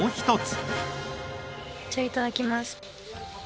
じゃあいただきます。